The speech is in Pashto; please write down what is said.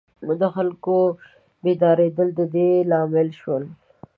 د خلکو بیدارېدل د دې لامل شول.